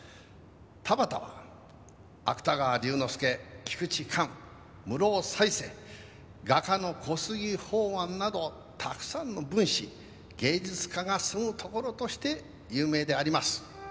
「田端は芥川龍之介菊池寛室生犀星画家の小杉放庵などたくさんの文士芸術家が住むところとして有名であります」